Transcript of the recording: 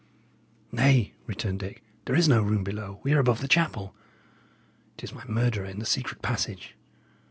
"Nay," returned Dick, "there is no room below; we are above the chapel. It is my murderer in the secret passage.